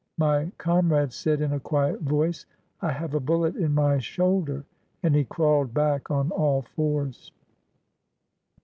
My comrade said, in a quiet voice: "I have a bullet in my shoulder," and he crawled back on all fours.